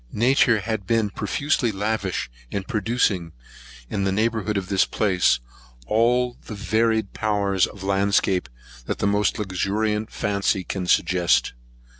Nature has been profusely lavish, in producing, in the neighbourhood of this place, all the varied powers of landscape that the most luxuriant fancy can suggest.